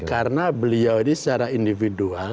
karena beliau ini secara individual